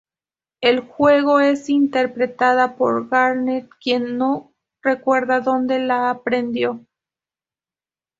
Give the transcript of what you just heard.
En el juego, es interpretada por Garnet, quien no recuerda dónde la aprendió.